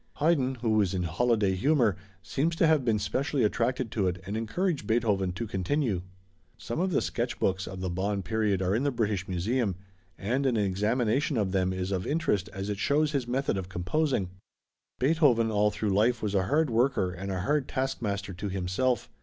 Haydn, who was in holiday humor, seems to have been specially attracted to it, and encouraged Beethoven to continue. Some of the sketch books of the Bonn period are in the British Museum, and an examination of them is of interest as it shows his method of composing. Beethoven all through life was a hard worker and a hard taskmaster to himself.